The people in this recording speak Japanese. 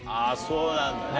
そうなんだね。